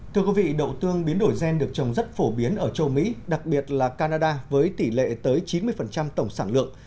thưa quý vị đậu tương biến đổi gen được trồng rất phổ biến ở châu mỹ đặc biệt là canada với tỷ lệ tới chín mươi tổng sản lượng